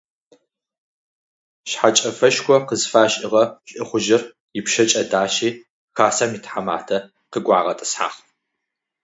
Шъхьэкӏэфэшхо къызфашӏыгъэ лӏыхъужъыр ыпшъэкӏэ дащи хасэм итхьэматэ къыгуагъэтӏысхьагъ.